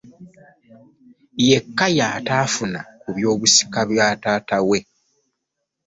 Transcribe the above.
Yeka yataafuna ku byobusika bwa taata we.